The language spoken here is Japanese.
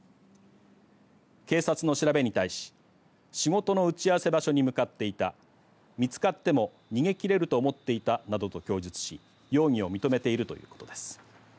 警察の調べに対し仕事の打ち合わせ場所に向かっていた見つかっても逃げ切れると思っていたなどと供述し容疑を認めているということです。